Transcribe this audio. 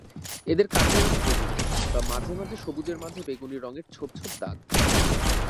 এদের কান্ডের রঙ বেগুনি বা মাঝে মাঝে সবুজের মাঝে বেগুনি রঙের ছোপ ছোপ দাগ।